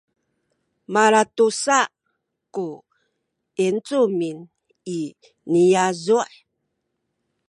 malatusa ku yincumin i niyazu’